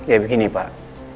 ya begini pak